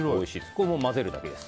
これもう混ぜるだけです。